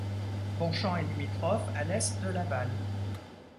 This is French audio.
Bonchamp est limitrophe à l'est de Laval.